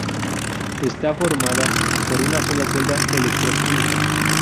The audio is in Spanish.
Está formada por una sola celda electroquímica.